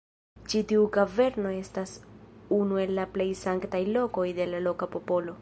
Ĉi tiu kaverno estas unu el la plej sanktaj lokoj de la loka popolo.